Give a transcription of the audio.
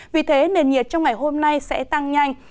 vì thế nền nhiệt trong ngày hôm nay sẽ tăng nhanh